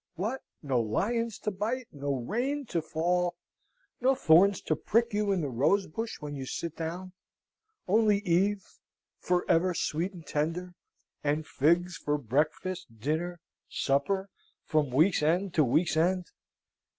What, no lions to bite? no rain to fall? no thorns to prick you in the rose bush when you sit down? only Eve, for ever sweet and tender, and figs for breakfast, dinner, supper, from week's end to week's end!"